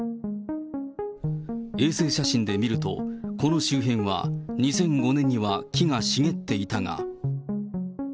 衛星写真で見ると、この周辺は２００５年には木が茂っていたが。